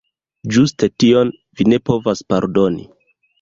Ĝuste tion vi ne povas pardoni.